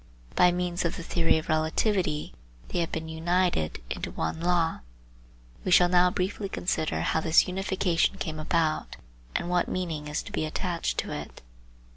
By means of the theory of relativity they have been united into one law. We shall now briefly consider how this unification came about, and what meaning is to be attached to it.